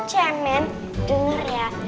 cemen dengar ya